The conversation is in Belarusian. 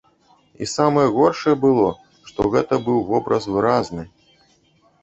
І самае горшае было, што гэта быў вобраз выразны.